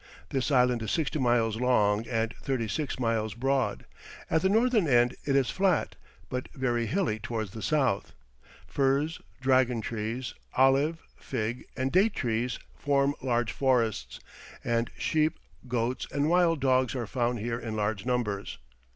This island is sixty miles long and thirty six miles broad; at the northern end it is flat, but very hilly towards the south. Firs, dragon trees, olive, fig, and date trees form large forests, and sheep, goats, and wild dogs are found here in large numbers.